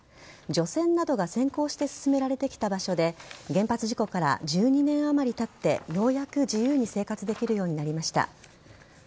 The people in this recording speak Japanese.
除染などが先行して進められてきた場所で原発事故から１２年あまりたってようやく自由に生活できるようになりました。